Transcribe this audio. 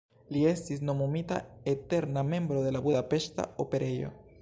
Li estis nomumita eterna membro de la Budapeŝta Operejo.